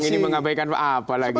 ini mengabaikan apa lagi